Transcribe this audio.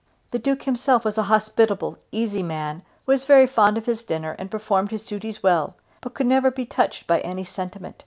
The Duke himself was a hospitable, easy man who was very fond of his dinner and performed his duties well; but could never be touched by any sentiment.